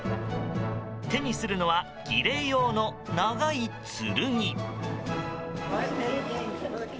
手にするのは儀礼用の長い剣。